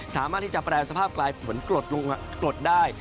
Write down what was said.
สามารถที่จะแปรสภาพกลายฝนปลดได้